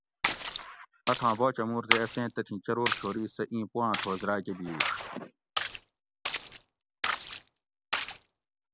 اتھاں باچہ مُور تے اسیں تتھی چرور چھوری سہ اِیں پوآۤں تھوس راۤکہ بِھیڛ